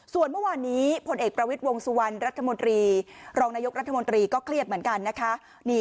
ส่วนเมื่อวานี้ผลเอกประวิสวงศ์สุวรรณรัฐมนตรี